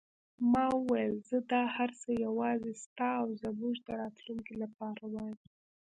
ما وویل: زه دا هر څه یوازې ستا او زموږ د راتلونکې لپاره وایم.